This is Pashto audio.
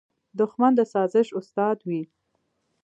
دښمن د سازش استاد وي